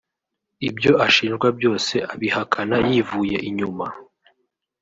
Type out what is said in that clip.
Ibyo ashinjwa byose abihakana yivuye inyuma